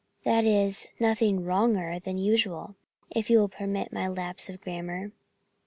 That is, nothing 'wronger' than usual, if you will permit my lapse of grammar."